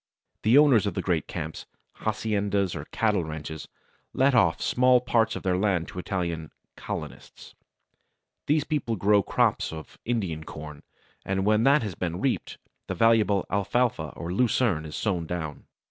The owners of the great camps, haciendas or cattle ranches let off small parts of their land to Italian "colonists." These people grow crops of Indian corn, and when that has been reaped, the valuable Alfalfa or Lucerne is sown down.